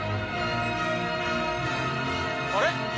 あれ？